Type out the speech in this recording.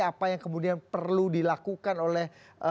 apa yang kemudian perlu dilakukan oleh